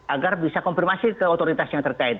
agar bisa konfirmasi ke otoritas yang terkait